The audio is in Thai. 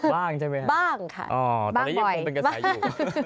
บ้างใช่ไหมครับตอนนี้ยังมินเป็นกระแสอยู่